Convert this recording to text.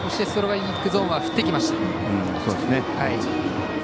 ストライクゾーンは振ってきました。